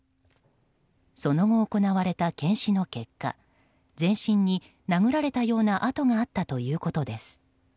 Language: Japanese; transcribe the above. その後、行われた検視の結果全身に殴られたような痕があったということです。